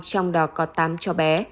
trong đó có tám trò bé